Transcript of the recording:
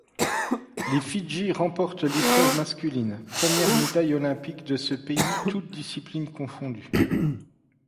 Les Fidji remportent l'épreuve masculine, première médaille olympique de ce pays toutes disciplines confondues.